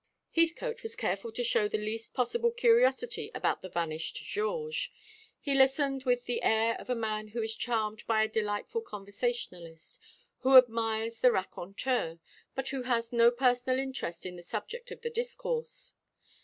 Heathcote was careful to show the least possible curiosity about the vanished Georges. He listened with the air of a man who is charmed by a delightful conversationalist, who admires the raconteur, but who has no personal interest in the subject of the discourse.